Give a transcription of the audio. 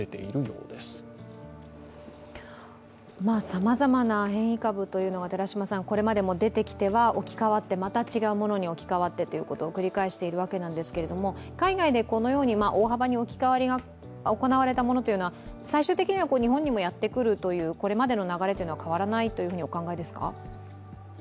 さまざまな変異株がこれまでも出てきては置き換わって、また違うものに置き換わってということを繰り返しているわけですけれども、海外でこのように大幅に置き換わりが行われたものというのは最終的には日本にもやってくるというこれまでの流れは変わらないとお考えですか？